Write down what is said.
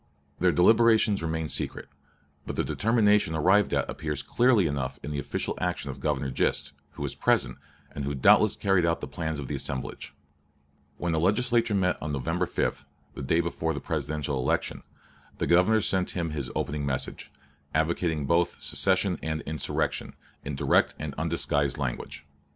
Their deliberations remained secret, but the determination arrived at appears clearly enough in the official action of Governor Gist, who was present, and who doubtless carried out the plans of the assemblage. When the Legislature met on November 5 (the day before the Presidential election) the Governor sent them his opening message, advocating both secession and insurrection, in direct and undisguised language.